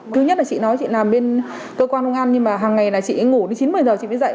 thứ nhất là chị nói chị làm bên cơ quan công an nhưng mà hàng ngày là chị ngủ đến chín một mươi giờ chị mới dậy